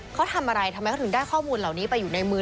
เขาทำอะไรทำไมเขาถึงได้ข้อมูลเหล่านี้ไปอยู่ในมือ